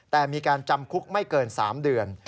แต่มีการจำคุกไม่เกิน๓เดือน